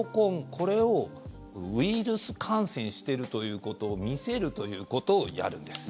これをウイルス感染しているということを見せるということをやるんです。